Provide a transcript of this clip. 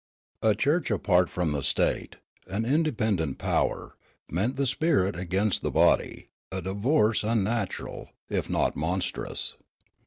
A church apart from the state, an independent power, meant the spirit against the body, a divorce unnatural, if not monstrous.